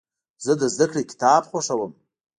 زه د زدهکړې کتاب خوښوم.